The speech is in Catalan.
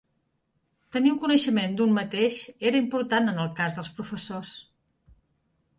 Tenir un coneixement d'un mateix era important en el cas dels professors.